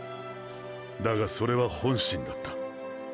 だがそれは本心だった。